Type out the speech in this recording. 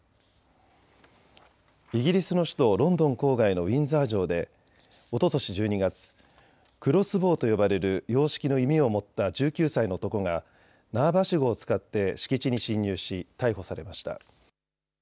イギリスの首都ロンドン郊外のウィンザー城でおととし１２月、クロスボウと呼ばれる洋式の弓を持った１９歳の男が縄ばしごを使って敷地に侵入し逮捕されました。